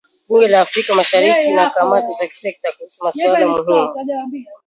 Bunge la Afrika Mashariki na kamati za kisekta kuhusu masuala muhimu